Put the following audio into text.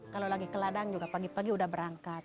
kalau lagi ke ladang juga pagi pagi udah berangkat